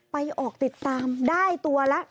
ไปออกติดตามได้ตัวละ